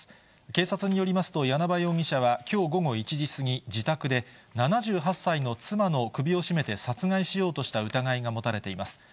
警察によりますと、簗場容疑者はきょう午後１時過ぎ、自宅で７８歳の妻の首を絞めて殺害しようとした疑いが持たれています。